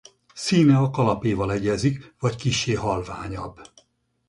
Színe a kalapéval egyezik vagy kissé halványabb.